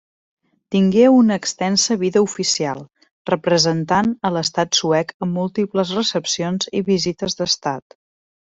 Tingué una extensa vida oficial representant a l'estat suec en múltiples recepcions i visites d'estat.